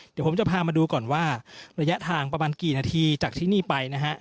เดี๋ยวผมจะพามาดูก่อนว่าระยะทางประมาณกี่นาทีจากที่นี่ไปนะฮะ